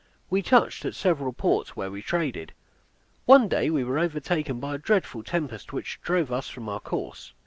We touched at several ports, where we traded. One day we were overtaken by a dreadful tempest, which drove us from our course.